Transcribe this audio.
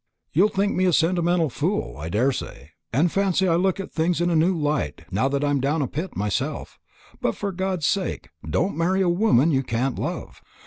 You'll think me a sentimental fool, I daresay, and fancy I look at things in a new light now that I'm down a pit myself; but, for God's sake, don't marry a woman you can't love.